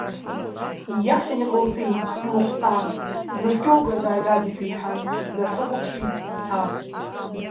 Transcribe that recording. Ииашаны иҟауҵеит, иухәҭан, днаскьоугазааит Адица, – иҳәан, днасыхәаԥшит саб.